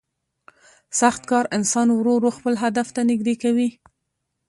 سخت کار انسان ورو ورو خپل هدف ته نږدې کوي